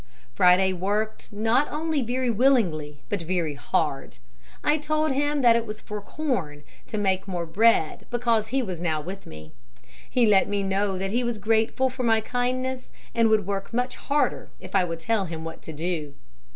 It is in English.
Friday worked not only very willingly but very hard. I told him that it was for corn to make more bread because he was now with me. He let me know that he was grateful for my kindness and would work much harder if I would tell him what to do.